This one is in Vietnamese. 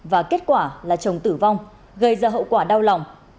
và kết quả là chồng tử vong gây ra hậu quả đau lòng